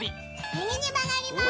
右に曲がります。